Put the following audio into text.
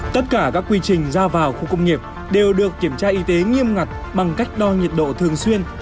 tất cả các quy trình ra vào khu công nghiệp đều được kiểm tra y tế nghiêm ngặt bằng cách đo nhiệt độ thường xuyên